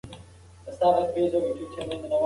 موږ باید له بیړنیو قضاوتونو ډډه وکړو.